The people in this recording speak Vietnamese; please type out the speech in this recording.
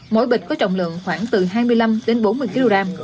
mỗi bịch có trọng lượng khoảng từ hai mươi năm đến bốn mươi kg